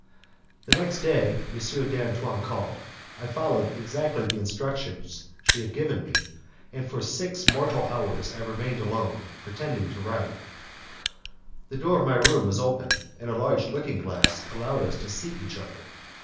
The next day, when M. d'Antoine called, I followed exactly the instructions she had given me, and for six mortal hours I remained alone, pretending to write. The door of my room was open, and a large looking glass allowed us to see each other.